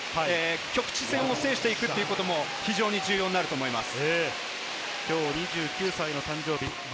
局地戦を制していくというのも非常に重要になると思います。